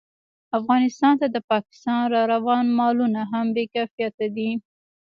افغانستان ته د پاکستان راروان مالونه هم بې کیفیته دي